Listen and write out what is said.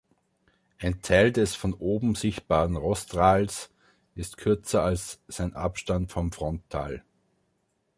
Ein Teil des von oben sichtbaren Rostrals ist kürzer als sein Abstand vom Frontal.